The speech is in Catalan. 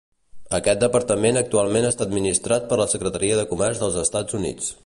Aquest departament actualment està administrat per la Secretaria de Comerç dels Estats Units.